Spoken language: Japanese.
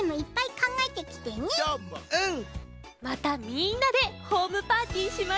またみんなでホームパーティーしましょうね！